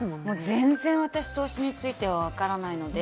全然、私投資については分からないので。